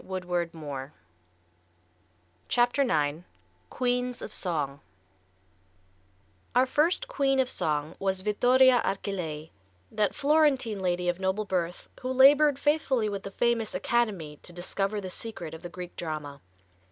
[Illustration: JENNY LIND] IX Queens of Song Our first queen of song was Vittoria Archilei, that Florentine lady of noble birth who labored faithfully with the famous "Academy" to discover the secret of the Greek drama.